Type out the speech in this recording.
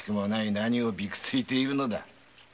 何をびくついているのだ。